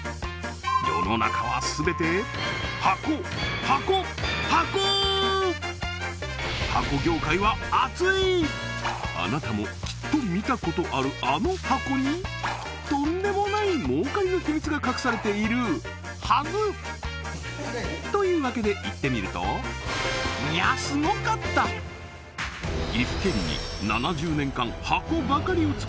世の中は全てあなたもきっと見たことあるあの箱にとんでもない儲かりのヒミツが隠されているはず！というわけで行ってみるといやスゴかった！が作っていた！